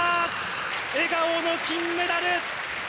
笑顔の金メダル。